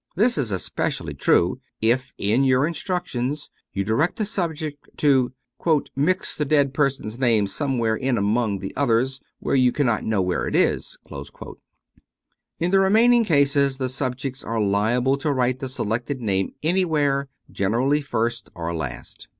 This is especially true if in your instructions you direct the subject to " mix the dead person's name somewhere in among the others where you cannot know where it is." In the remaining cases the sub jects are liable to write the selected name anywhere, gen erally first or last.